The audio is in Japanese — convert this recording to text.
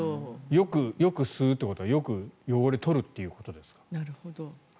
よく吸うということはよく汚れを取るということですか。